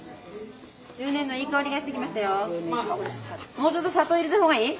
もうちょっと砂糖入れた方がいい？